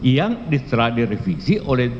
yang telah direvisi oleh